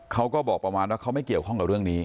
เขาก็บอกประมาณว่าเขาไม่เกี่ยวข้องกับเรื่องนี้